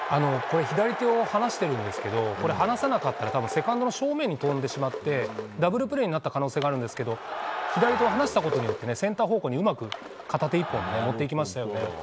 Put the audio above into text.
左手を離してるんですけど離さなかったら多分セカンドの正面に飛んでしまってダブルプレーになった可能性があるんですが左手を離したことによってセンター方向にうまく片手１本で持っていきましたよね。